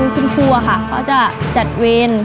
คุณครูค่ะเขาจะจัดเวร